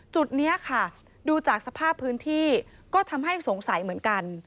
จุดนี้ค่ะดูจากสภาพพื้นที่ก็ทำให้สงสัยเหมือนกัน